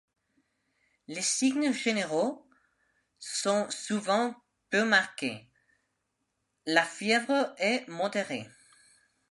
Les signes généraux sont souvent peu marqués, la fièvre est modérée.